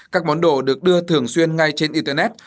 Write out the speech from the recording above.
các món đồ được đưa thường xuyên ngay trên internet